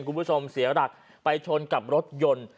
คุณผู้ชมเสียรักไปชนกับรถยนต์